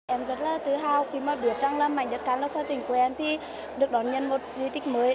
em rất là tự hào khi mà biết rằng là mảnh đất hà tĩnh của em thì được đón nhận một di tích mới